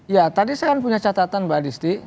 ya tadi saya punya catatan mbak adisti